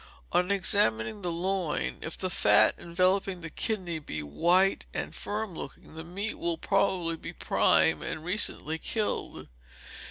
On examining the loin, if the fat enveloping the kidney be white and firm looking, the meat will probably be prime and recently killed.